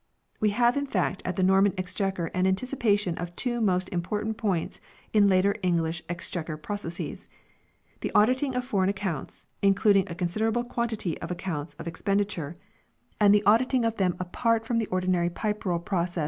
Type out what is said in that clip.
We have in fact at the Norman Exchequer an anticipation of two most im portant points in later English Exchequer processes the auditing of foreign accounts, including a consider able quantity of accounts of expenditure ; and the 1 " Pipe Roll Soc." p.